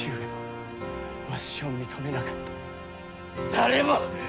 誰も！